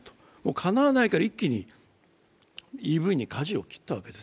かなわないから一気にＥＶにかじを切ったわけです。